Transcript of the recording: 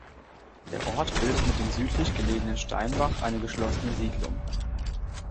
Der Ort bildet mit dem südlich gelegenen Steinbach eine geschlossene Siedlung.